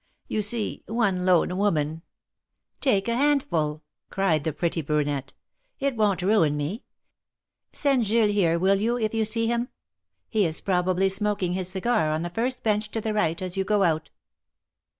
You see, one lone woman —" "Take a handful," cried the pretty brunette. "It won't ruin me ! Send Jules here, will you, if you see him. He is probably smoking his cigar on the first bench to the right as you go out."